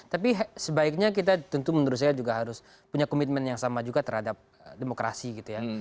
tapi sebaiknya kita tentu menurut saya juga harus punya komitmen yang sama juga terhadap demokrasi gitu ya